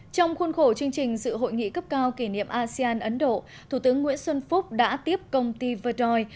trong khuôn khổ chương trình dự hội nghị cấp cao kỷ niệm asean ấn độ thủ tướng nguyễn xuân phúc đã tiếp công ty verdori